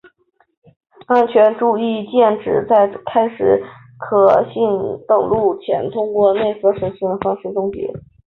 安全注意键旨在在开始可信登录前通过使内核终止全部进程的方式终结。